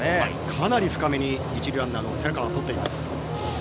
かなり深めに一塁ランナーはとっています。